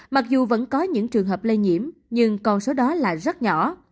mặc dù vẫn có những trường hợp lây nhiễm nhưng con số đó là rất nhỏ